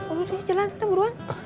udah jalan jalan buruan